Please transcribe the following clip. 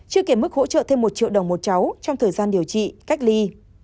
chưa kể mức hỗ trợ thêm một triệu đồng một cháu trong thời gian điều trị cách ly